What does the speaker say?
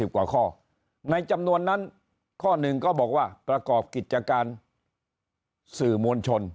กว่าข้อในจำนวนนั้นข้อหนึ่งก็บอกว่าประกอบกิจการสื่อมวลชน